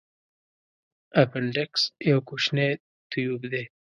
اپنډکس یو کوچنی تیوب دی.